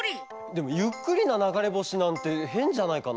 でもゆっくりなながれぼしなんてへんじゃないかな？